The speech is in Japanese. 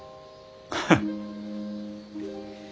ハッ。